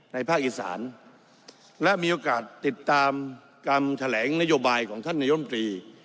ภาคอีสานและมีโอกาสติดตามคำแถลงนโยบายของท่านนายมตรี